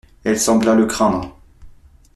Elle sembla le craindre.